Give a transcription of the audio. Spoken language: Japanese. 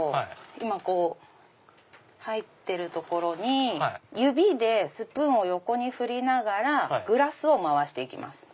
今入ってる所に指でスプーンを横に振りながらグラスを回して行きます。